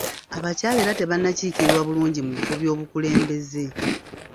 Abakyala era tebannakiikirirwa bulungi mu bifo by'obukulembeze.